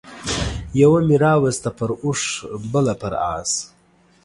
يوه مې راوسته پر اوښ بله پر اس